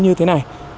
như thế này